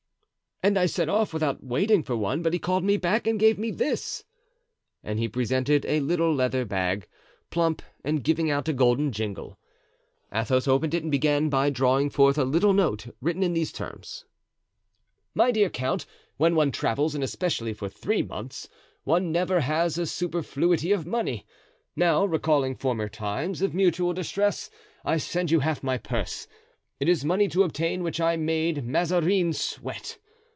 "And I set off without waiting for one, but he called me back and gave me this;" and he presented a little leather bag, plump and giving out a golden jingle. Athos opened it and began by drawing forth a little note, written in these terms: "My dear Count,—When one travels, and especially for three months, one never has a superfluity of money. Now, recalling former times of mutual distress, I send you half my purse; it is money to obtain which I made Mazarin sweat.